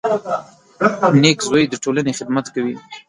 • نېک زوی د ټولنې خدمت کوي.